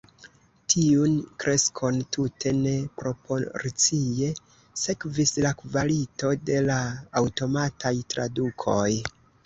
Tiun kreskon tute ne proporcie sekvis la kvalito de la aŭtomataj tradukoj.